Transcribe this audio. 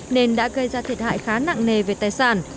nên đã gây ra thiệt hại khá nặng nề về tài sản